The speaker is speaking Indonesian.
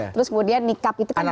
terus kemudian nikab itu kan